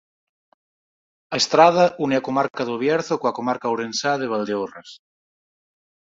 A estrada une a comarca do Bierzo coa comarca ourensá de Valdeorras.